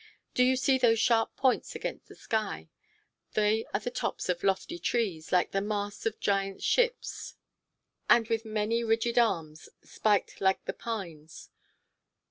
Do you see those sharp points against the sky? They are the tops of lofty trees, like the masts of giant ships, and with many rigid arms spiked like the pines.